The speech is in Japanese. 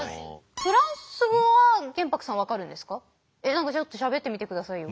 何かちょっとしゃべってみてくださいよ。